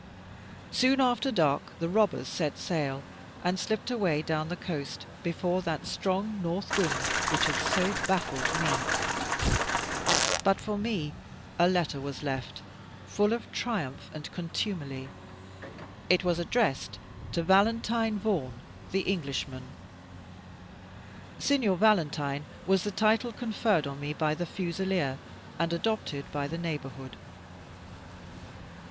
Soon after dark the robbers set sail, and slipped away down the coast, before that strong north wind which had so baffled me. But for me a letter was left, full of triumph and contumely. It was addressed to "Valentine Vaughan, the Englishman;" "Signor Valentine" was the title conferred on me by the fusileer, and adopted by the neighbourhood.